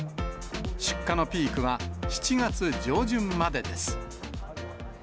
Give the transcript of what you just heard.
出荷のピークは７月上旬までです。